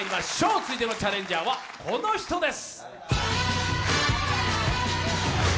続いてのチャレンジャーはこの人です。